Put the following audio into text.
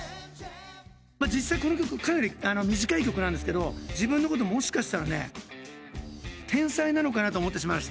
実際この曲かなり短い曲なんですけど自分のこともしかしたらね天才なのかなと思いました。